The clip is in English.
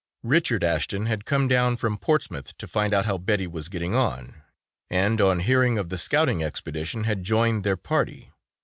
Richard Ashton had come down from Portsmouth to find out how Betty was getting on, and on hearing of the scouting expedition had joined their party.